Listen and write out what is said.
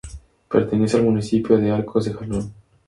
Pertenece al municipio de Arcos de Jalón.